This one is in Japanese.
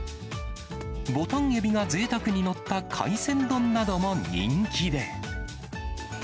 ボタンエビがぜいたくに載った海鮮丼なども人気で。